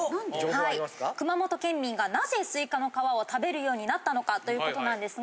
はい熊本県民がなぜスイカの皮を食べるようになったのかということなんですが。